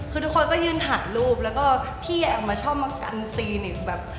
คือทุกคนก็ยืนถ่ายรูปแล้วก็พี่แอบมาชอบมากันตีหนึ่งแบบ